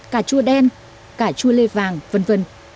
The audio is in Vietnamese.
cà chua đen cà chua lê vàng v v